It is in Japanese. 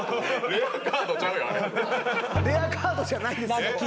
レアカードじゃないですよ。